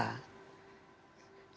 ini wartawan multitasking akhirnya bisa bekerja